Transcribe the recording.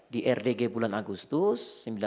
di rdg bulan agustus